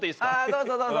どうぞどうぞ。